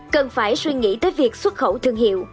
cần phải suy nghĩ tới việc xuất khẩu thương hiệu